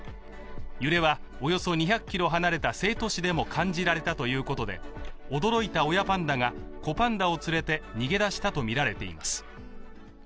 揺れはおよそ２００ｋｍ離れた成都市でも感じられたということで驚いた親パンダが、子パンダを連れて逃げ出したとみられています。